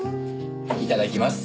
いただきます。